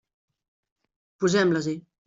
Posem-les-hi.